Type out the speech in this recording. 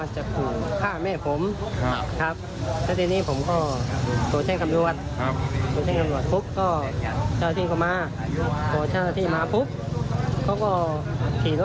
นั่งยังไม่มี